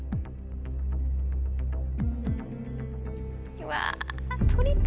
うわ。